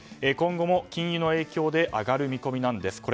今後も禁輸の影響で上がる見込みなんです。